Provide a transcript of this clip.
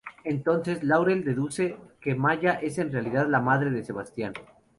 Entonces, Laurel deduce que Maya es en realidad la madre de Sebastian.